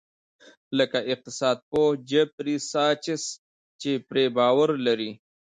لکه اقتصاد پوه جیفري ساچس چې پرې باور لري.